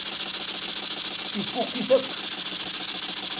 Ifukk-it akk.